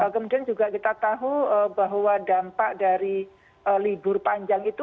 kemudian juga kita tahu bahwa dampak dari libur panjang itu